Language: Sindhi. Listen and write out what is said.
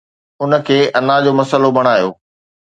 ان کي انا جو مسئلو بڻايو